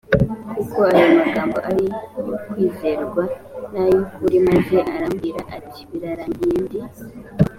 kuko ayo magambo ari ayo kwizerwa n ay ukuri maze arambwira ati birarangiye ndi